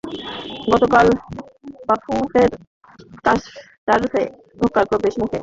গতকালও বাফুফের টার্ফে ঢোকার প্রবেশমুখে তালা লাগানো দেখে ফিরে আসেন মোহামেডানের ফুটবলাররা।